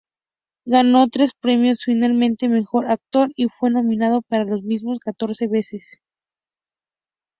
Ganó tres premios Filmfare Mejor Actor y fue nominado para los mismos catorce veces..